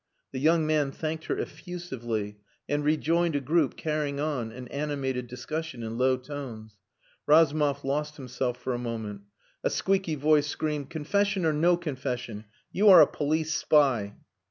The young man thanked her effusively, and rejoined a group carrying on an animated discussion in low tones. Razumov lost himself for a moment. A squeaky voice screamed, "Confession or no confession, you are a police spy!"